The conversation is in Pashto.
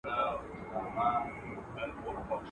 د ناست زمري څخه، ولاړه ګيدړه ښه ده ..